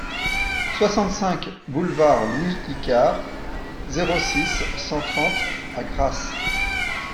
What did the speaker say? soixante-cinq boulevard Louis Icard, zéro six, cent trente à Grasse